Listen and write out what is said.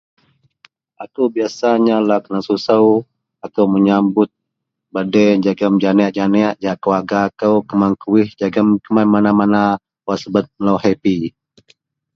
Akou biyasanya lau kenasusou akou menyabut birthday jegem janek-janek jahak keluarga kou keman kuwih keman mana-mana wak subet melo hepi.